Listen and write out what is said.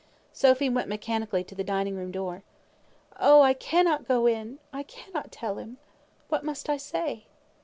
Sophy went mechanically to the dining room door. "Oh! I cannot go in. I cannot tell him. What must I say?"